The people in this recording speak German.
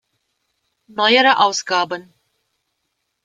Neuere Ausgaben